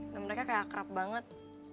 dan mereka kayak akrab banget